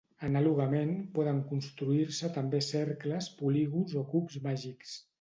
Anàlogament, poden construir-se també cercles, polígons o cubs màgics.